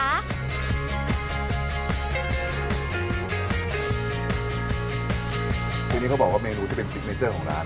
ทีนี้เขาบอกว่าเมนูที่เป็นซิกเนเจอร์ของร้าน